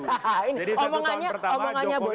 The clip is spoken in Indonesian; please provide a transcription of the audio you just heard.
jadi satu tahun pertama